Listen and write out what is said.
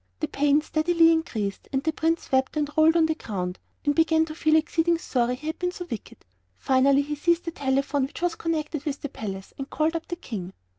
The pain steadily increased, and the Prince wept and rolled on the ground and began to feel exceeding sorry he had been so wicked. Finally he seized the telephone, which was connected with the palace, and called up the King.